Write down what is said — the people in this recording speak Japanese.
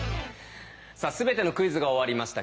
さあ全てのクイズが終わりました。